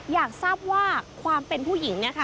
อยากทราบว่าความเป็นผู้หญิง